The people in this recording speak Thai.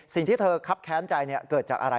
สิ่งที่เธอครับแค้นใจเกิดจากอะไร